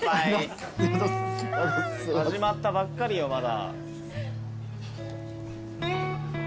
始まったばっかりよまだ。